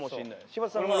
柴田さんが。